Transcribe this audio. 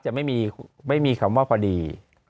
จะไม่มีคำว่าพอดี